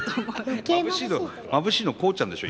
まぶしいのコウちゃんでしょ？